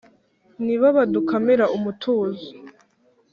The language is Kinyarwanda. nibo badukamira umutuzo,